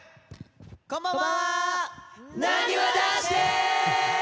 こんばんは。